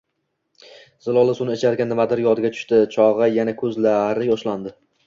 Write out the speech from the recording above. Zilola suvni icharkan, nimadir yodiga tushdi chog`i yana ko`zlari yoshlandi